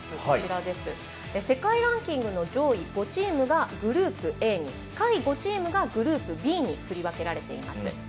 こちらの世界ランキングの上位５チームがグループＡに下位５チームがグループＢに振り分けられています。